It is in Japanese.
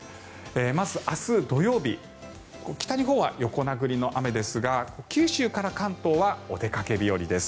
まず明日土曜日北日本は横殴りの雨ですが九州から関東はお出かけ日和です。